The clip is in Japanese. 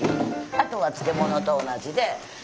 あとは漬物と同じで。